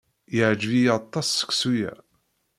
Yeɛjeb-iyi aṭas seksu-a.